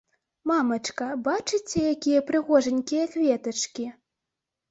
Мамачка, бачыце, якія прыгожанькія кветачкі?